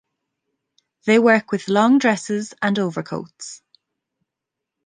They work with long dresses and overcoats.